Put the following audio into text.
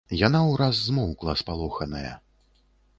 Яна ўраз змоўкла, спалоханая.